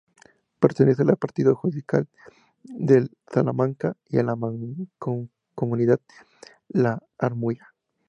Pertenece al partido judicial de Salamanca y a la Mancomunidad La Armuña.